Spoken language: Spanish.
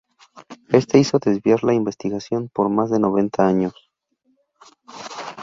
Esto hizo desviar la investigación por más de noventa años.